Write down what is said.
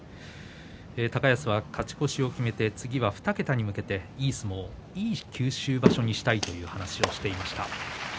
高安は勝ち越しを決めて、次は２桁に向けていい相撲いい九州場所にしたいという話をしていました。